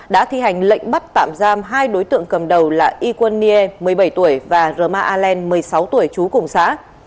đã thi hành lệnh bắt tạm giam hai đối tượng cầm đầu là yquan nie một mươi bảy tuổi và roma allen một mươi sáu tuổi chú cùng xã